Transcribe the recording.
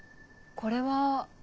これは。